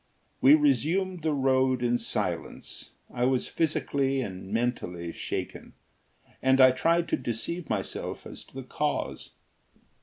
We resumed the road in silence. I was physically and mentally shaken; and I tried to deceive myself as to the cause.